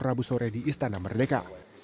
rabu sore di istana merdeka